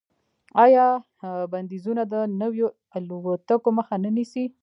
آیا بندیزونه د نویو الوتکو مخه نه نیسي؟